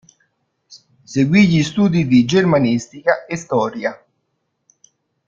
Seguì gli studi di germanistica e storia.